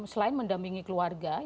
selain mendampingi keluarga